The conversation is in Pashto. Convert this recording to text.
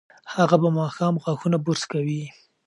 هغه به ماښام غاښونه برس کوي.